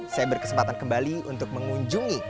saya berkesempatan kembali untuk mengunjungi